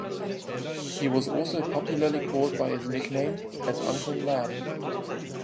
He was also popularly called by his nickname as Uncle Ladi.